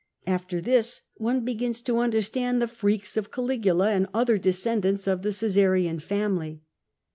After this, one begins to understand the freaks of Caligula and other descendants of the Caesarian family.